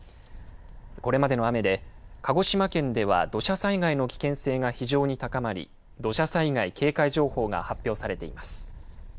これまでの雨で、鹿児島県では土砂災害の危険性が非常に高まり、土砂災害警戒情報が発表されています。